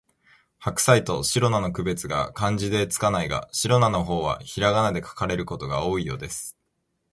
ハクサイとシロナの区別が漢字で付かないが、シロナの方はひらがなで書かれることが多いようです